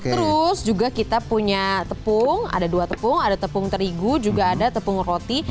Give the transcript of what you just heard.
terus juga kita punya tepung ada dua tepung ada tepung terigu juga ada tepung roti